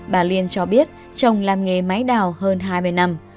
bà liên cho biết chồng làm nghề máy đào hơn hai mươi năm